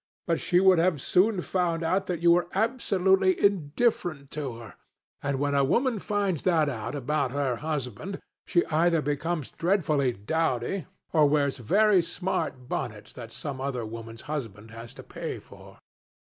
But she would have soon found out that you were absolutely indifferent to her. And when a woman finds that out about her husband, she either becomes dreadfully dowdy, or wears very smart bonnets that some other woman's husband has to pay for.